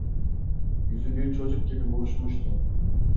Yüzü bir çocuk gibi buruşmuştu.